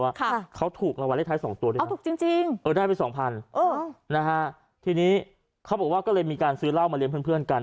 ว่าเขาถูกระวัลได้ท้าย๒ตัวด้วยครับเออได้ไป๒๐๐๐บาททีนี้เขาบอกว่าก็เลยมีการซื้อเหล้ามาเลี้ยงเพื่อนกัน